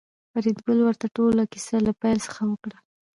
فریدګل ورته ټوله کیسه له پیل څخه وکړه